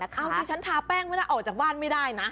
เอาดิฉันทาแป้งไม่ได้ออกจากบ้านไม่ได้นะ